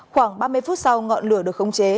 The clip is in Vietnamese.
khoảng ba mươi phút sau ngọn lửa được khống chế